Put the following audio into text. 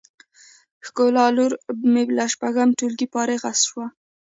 ښکلا لور می له شپږم ټولګی فارغه شوه